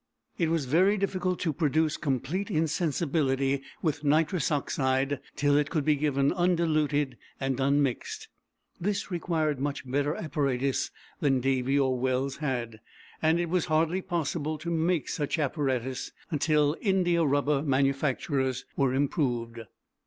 It was very difficult to produce complete insensibility with nitrous oxide till it could be given undiluted and unmixed; this required much better apparatus than Davy or Wells had; and it was hardly possible to make such apparatus till india rubber manufactures were improved.